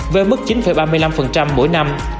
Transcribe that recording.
với mức chín ba mươi năm mỗi năm